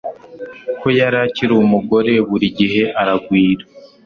ko yari akiri umugore buri gihe aragwira